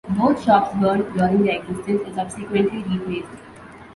Both shops burned during their existence and subsequently replaced.